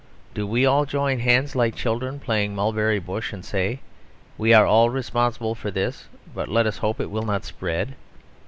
Do we all join hands, like children playing Mulberry Bush, and say "We are all responsible for this; but let us hope it will not spread.